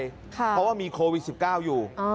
เพราะว่ามีโควิด๑๙อยู่